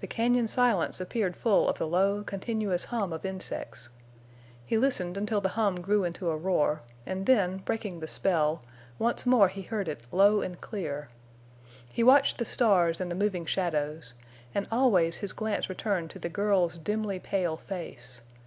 The cañon silence appeared full of the low, continuous hum of insects. He listened until the hum grew into a roar, and then, breaking the spell, once more he heard it low and clear. He watched the stars and the moving shadows, and always his glance returned to the girl's dimly pale face.